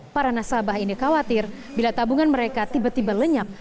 para nasabah ini khawatir bila tabungan mereka tiba tiba lenyap